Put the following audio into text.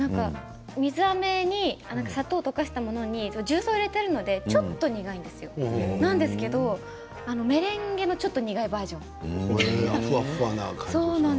水あめに砂糖を溶かしたものに重曹を入れているのでちょっと苦いんですけどメレンゲのちょっと苦いバージョンみたいな。